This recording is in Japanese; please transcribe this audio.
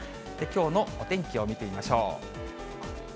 きょうのお天気を見てみましょう。